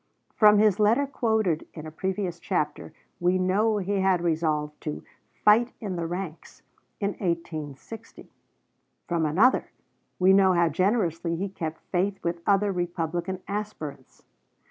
From his letter quoted in a previous chapter we know he had resolved to "fight in the ranks" in 1860. From another, we know how generously he kept faith with other Republican aspirants.